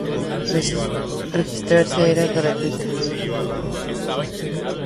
Registrarse era gratuito.